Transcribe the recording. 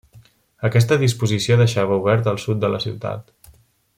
Aquesta disposició deixava obert el sud de la ciutat.